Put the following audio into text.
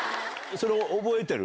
それ覚えてる？